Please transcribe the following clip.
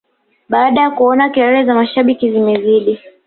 baada ya kuona kelele za mashabiki zimezidi